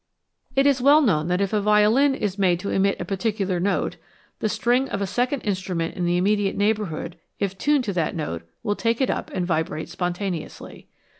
It is well known that if a violin is made to emit a particular note, the string of a second instrument in the immediate neighbourhood, if tuned to that note, will take it up and vibrate spontaneously.